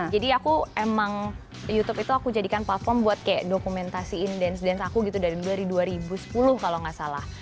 jadi aku emang youtube itu aku jadikan platform buat kayak dokumentasiin dance dance aku gitu dari dua ribu sepuluh kalau gak salah